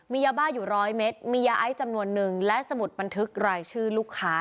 มียาบ้าอยู่ร้อยเม็ดมียาไอซ์จำนวนนึงและสมุดบันทึกรายชื่อลูกค้า